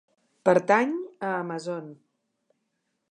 Pertany a Amazon.